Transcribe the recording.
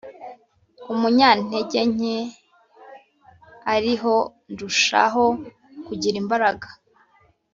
umunyantege nke ari ho ndushaho kugira imbaraga